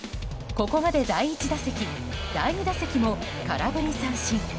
ここまで第１打席、第２打席も空振り三振。